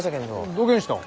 どげんした？